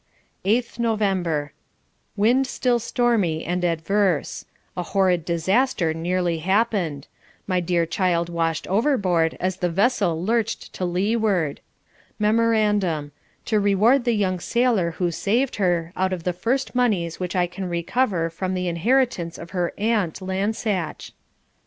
8th November wind still stormy and adverse a horrid disaster nearly happened my dear child washed overboard as the vessel lurched to leeward. Memorandum to reward the young sailor who saved her out of the first moneys which I can recover from the inheritance of her aunt Lansache.